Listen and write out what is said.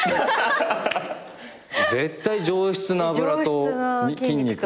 絶対上質な脂と筋肉が。